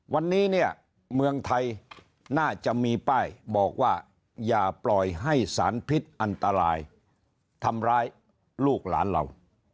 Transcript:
วันนี้เนี่ยเมืองไทยน่าจะมีป้ายบอกว่าอย่าปล่อยให้สารพิษอันตรายทำร้ายลูกหลานเรา